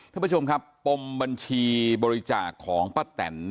ท่านผู้ชมครับปมบัญชีบริจาคของป้าแตน